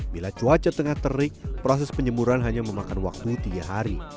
bila cuaca tengah terik proses penyemburuan hanya memakan waktu tiga hari